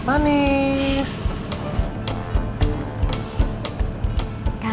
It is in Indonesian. ini ada apa